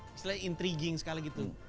misalnya intriguing sekali gitu